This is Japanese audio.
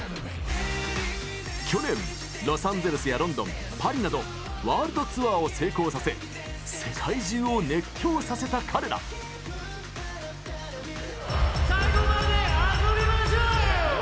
去年、ロサンゼルスやロンドンパリなどワールドツアーを成功させ最後まで遊びましょ！